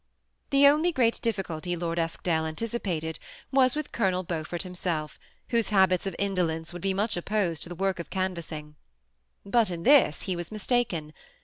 The only great difficulty Lord Eskdale anticipated was with Colonel Beaufort himself, whose habits of indolence would be much opposed to the work of can vassing. But in this he was mistaken.